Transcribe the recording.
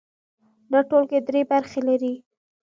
دا ټولګه درې برخې لري.